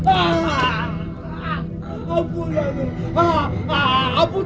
amur ampun ampun